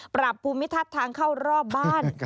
ปรับภูมิทัศน์ทางเข้ารอบบ้าน